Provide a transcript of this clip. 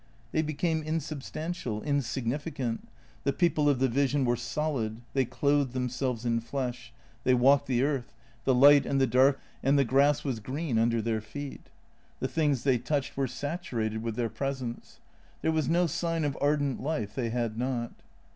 They became insub stantial, insignificant. The people of the vision were solid, they clothed themselves in flesh ; they walked the earth ; the light and the darkness and the weather knew them, and the grass was green under their feet. The things they touched were saturated with their presence. There was no sign of ardent life they had not.